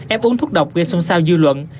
ép uống thuốc độc gây xôn xao dư luận